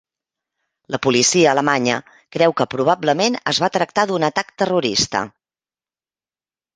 La policia alemanya creu que probablement es va tractar d'un atac terrorista.